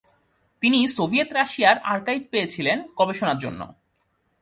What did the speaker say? তিনি সোভিয়েত রাশিয়ার আর্কাইভ পেয়েছিলেন গবেষণার জন্য।